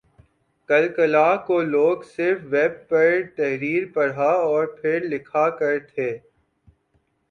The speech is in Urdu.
کل کلاں کو لوگ صرف ویب پر تحریر پڑھا اور پھر لکھا کر تھے